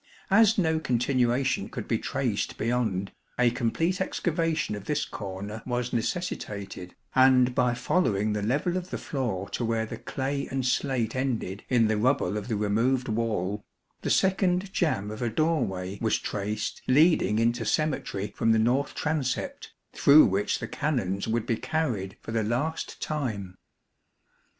As no continuation could be traced beyond, a complete excavation of this corner was necessitated, and by following the level of the floor to where the clay and slate ended in the rubble of the removed wall, the second jamb of a doorway was traced leading into cemetery from the north transept, through which the Canons would be carried for the last time.